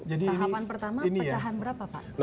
tahapan pertama pecahan berapa pak